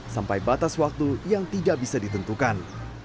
sampai batas waktu yang tidak bisa ditentukan